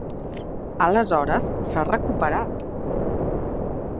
Aleshores, s'ha recuperat!